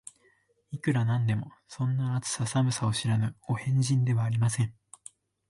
いくら何でも、そんな、暑さ寒さを知らぬお変人ではありません